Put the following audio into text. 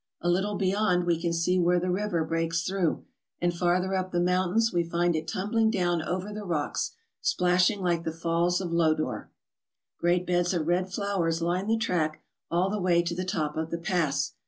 A little beyond we can see where the river breaks through, and farther up the moun tains we find it tumbling down over the rocks, splashing like the Falls of Lodore. Great beds of red flowers line the track all the way to the top of the pass.